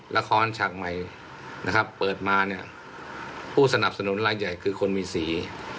ละครฉากใหม่นะครับเปิดมาเนี่ยผู้สนับสนุนรายใหญ่คือคนมีสี